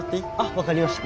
分かりました。